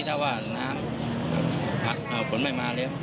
ถ้าว่าน้ำฝนไม่มาแล้ว